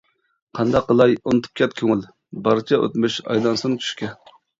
قانداق قىلاي، ئۇنتۇپ كەت كۆڭۈل، بارچە ئۆتمۈش ئايلانسۇن چۈشكە.